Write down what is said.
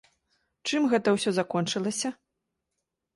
Чым гэта ўсё закончылася?